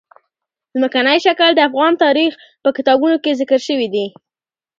ځمکنی شکل د افغان تاریخ په کتابونو کې ذکر شوي دي.